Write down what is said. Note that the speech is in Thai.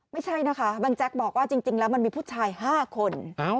ไม่ใช่นะคะบางแจ๊กบอกว่าจริงแล้วมันมีผู้ชาย๕คน